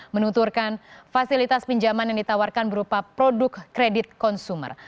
menunturkan fasilitas pinjaman yang ditawarkan berupa produk kredit konsumer